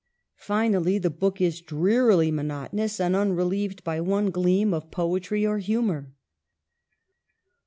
Finally, the book is drearily monotonous and unrelieved by one gleam of poetry or humor.